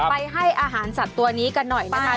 ไปให้อาหารสัตว์ตัวนี้กันหน่อยนะคะ